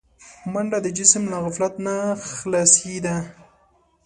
منډه د جسم له غفلت نه خلاصي ده